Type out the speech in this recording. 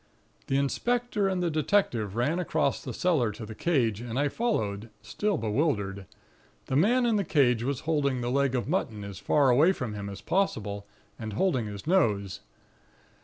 "The inspector and the detective ran across the cellar to the cage; and I followed, still bewildered. The man in the cage was holding the leg of mutton as far away from him, as possible, and holding his nose.